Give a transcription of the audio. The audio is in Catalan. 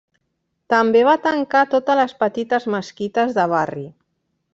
També va tancar totes les petites mesquites de barri.